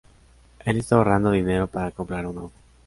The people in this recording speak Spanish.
Él está ahorrando dinero para comprar un auto.